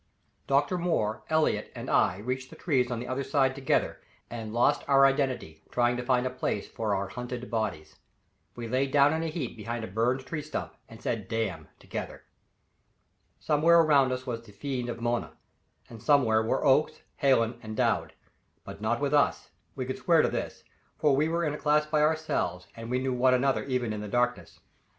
Dr. Moore, Elliott and I reached the trees on the other side together, and lost our identity trying to find a place for our hunted bodies. We lay down in a heap behind a burned tree stump, and said "damn" together. Somewhere around was the fiend of Mona, and somewhere were Oakes, Hallen and Dowd, but not with us we could swear to this, for we were in a class by ourselves and we knew one another even in the darkness.